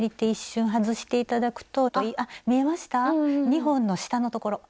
２本の下のところ。